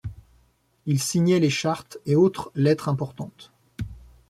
Il signait les chartes et autres lettres importantes.